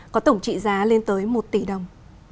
có tổng trị giá lên tới một tỷ đồng